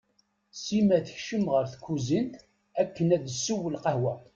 Sima tekcem ɣer tkuzint akken ad tessew lqahwa.